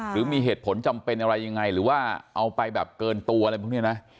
หรือมีเหตุผลจำเป็นอะไรยังไงหรือว่าเอาไปแบบเกินตัวอะไรพวกนี้นะ